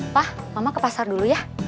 pak mama ke pasar dulu ya